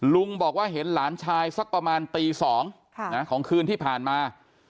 ลุงบอกว่าเห็นหลานชายสักประมาณตี๒ของคืนที่ผ่านมา